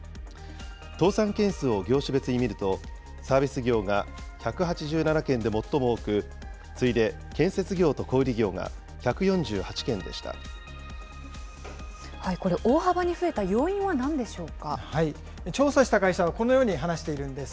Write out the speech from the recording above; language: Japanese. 倒産件数を業種別に見ると、サービス業が１８７件で最も多く、次いで建設業と小売業が１４８件で大幅に増えた要因はなんでし調査した会社はこのように話しているんです。